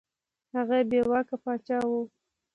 هغه بې واکه پاچا وو.